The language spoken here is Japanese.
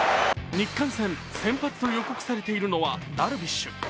日韓戦、先発と予告されているのはダルビッシュ。